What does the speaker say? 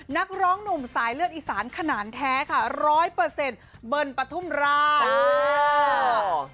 นักร้องหนุ่มสายเลือดอิสานขนาดแท้ค่ะ๑๐๐เบิร์นประทุมราช